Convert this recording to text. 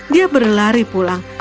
dia berlari pulang